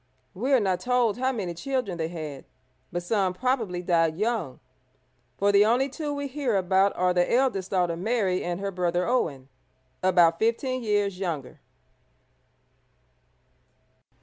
We are not told how many children they had, but some probably died young, for the only two we hear about are the eldest daughter Mary and her brother Owen, about fifteen years younger.